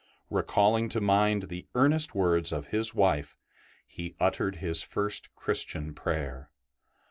Recalling to mind the earnest words of his wife, he uttered his first Christian prayer.